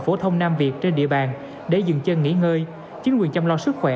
phổ thông nam việc trên địa bàn để dừng chân nghỉ ngơi chính quyền chăm lo sức khỏe